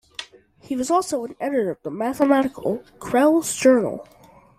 He was also an editor of the mathematical "Crelle's Journal".